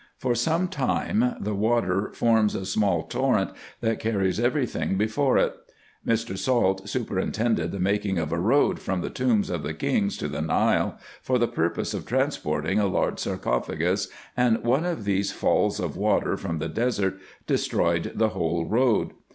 For some time the water forms a small torrent, that carries every thing before it. Mr. Salt superintended the making of a road from the tombs of the kings to the Nile, for the purpose of transporting a large sarcophagus, and one of these falls of water from the desert destroyed the whole road.